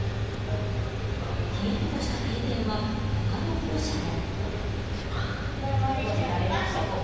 ひやりとした経験は他の保護者も。